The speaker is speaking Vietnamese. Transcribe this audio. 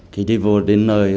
khi đi vô đến nơi